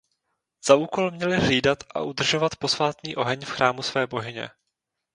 Za úkol měly hlídat a udržovat posvátný oheň v chrámu své bohyně.